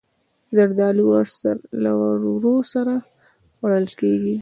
زردالو له ورور سره خوړل کېږي.